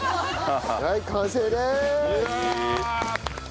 はい完成です！わあ！